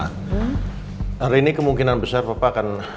hari ini kemungkinan besar papa akan